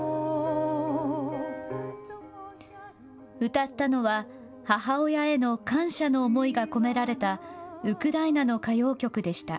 歌ったのは、母親への感謝の思いが込められたウクライナの歌謡曲でした。